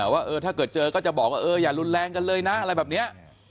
ว่าถ้าเกิดเจอก็จะบอกว่าอย่ารุนแรงกันเลยนะอะไรแบบนี้